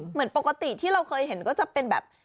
เหมือนปกติที่เราเคยเห็นก็จะเป็นแบบ